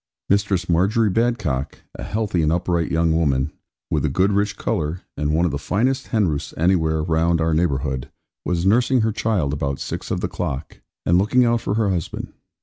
Ed. Mistress Margery Badcock, a healthy and upright young woman, with a good rich colour, and one of the finest hen roosts anywhere round our neighbourhood, was nursing her child about six of the clock, and looking out for her husband.